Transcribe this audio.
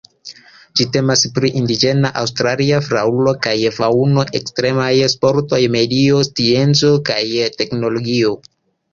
Ĝi temas pri indiĝena aŭstralia flaŭro kaj faŭno, ekstremaj sportoj, medio, scienco kaj teknologio.